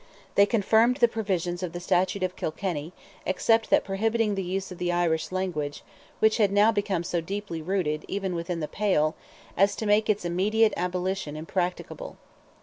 They confirmed the Provisions of the Statute of Kilkenny, except that prohibiting the use of the Irish language, which had now become so deeply rooted, even within the Pale, as to make its immediate abolition impracticable.